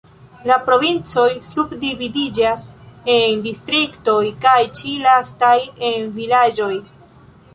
La provincoj subdividiĝas en distriktoj kaj ĉi lastaj en vilaĝoj.